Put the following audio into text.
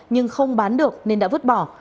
nhưng không bán được nên đã vứt bỏ